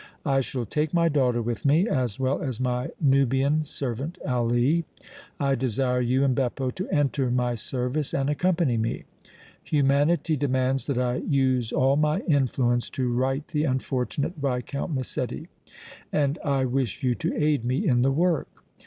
I shall take my daughter with me, as well as my Nubian servant Ali. I desire you and Beppo to enter my service and accompany me. Humanity demands that I use all my influence to right the unfortunate Viscount Massetti, and I wish you to aid me in the work."